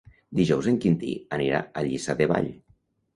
Dijous en Quintí anirà a Lliçà de Vall.